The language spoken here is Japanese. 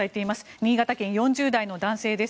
新潟県、４０代の男性です。